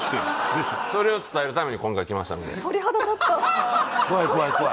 それを伝えるために今回来ましたので鳥肌立った怖い怖い怖い